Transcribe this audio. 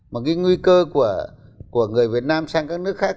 mà cái nguy cơ của người việt nam sang các nước khác